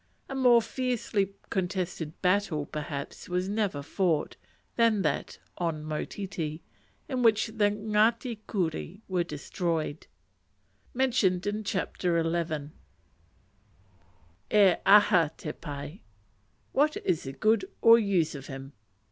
A more fiercely contested battle, perhaps, was never fought than that on Motiti, in which the Ngati Kuri were destroyed. p. 153. E aha te pai? What is the good (or use) of him?